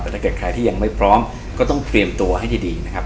แต่ถ้าเกิดใครที่ยังไม่พร้อมก็ต้องเตรียมตัวให้ดีนะครับ